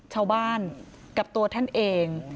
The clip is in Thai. ชาวบ้านกับตัวท่านเอง